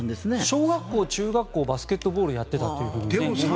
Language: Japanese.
小学校、中学校でバスケットボールをやっていたということでしたよ。